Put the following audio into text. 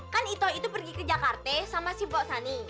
kan ito itu pergi ke jakarta sama si bo sani